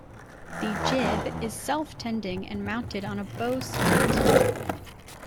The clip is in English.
The jib is self-tending and mounted on a bowsprit.